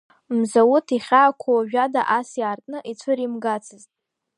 Мзауҭ ихьаақәа уажәада ас иаартны ицәыримгацызт.